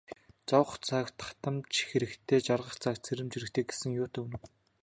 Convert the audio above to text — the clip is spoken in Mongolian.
Зовох цагт хатамж хэрэгтэй, жаргах цагт сэрэмж хэрэгтэй гэж юутай үнэн.